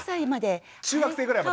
中学生ぐらいまで？